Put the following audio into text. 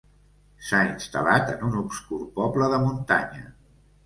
S'ha instal·lat en un obscur poble de muntanya.